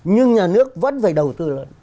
nhưng nhà nước vẫn phải đầu tư lên